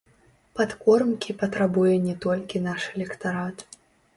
Падкормкі патрабуе не толькі наш электарат.